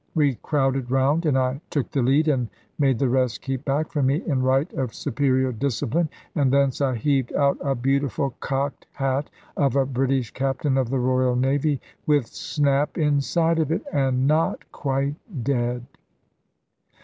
We crowded round, and I took the lead, and made the rest keep back from me, in right of superior discipline. And thence I heaved out a beautiful cocked hat of a British Captain of the Royal Navy, with Snap inside of it and not quite dead!